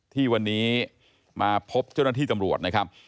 ที่วันนี้มาพบเจ้าหน้าที่ตำรวจนะครับ